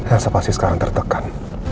elsa pasti sekarang tertekan